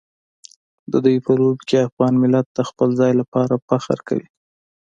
د دوی په لوبو کې افغان ملت د خپل ځای لپاره فخر کوي.